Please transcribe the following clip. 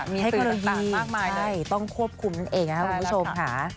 มีสื่อต่างมากมายใช่ต้องควบคุมเองนะครับคุณผู้ชมค่ะ